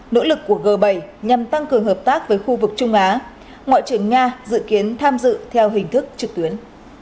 nỗ lực của g bảy nhằm tăng cường hợp tác với khu vực trung á ngoại trưởng nga dự kiến tham dự theo hình thức trực tuyến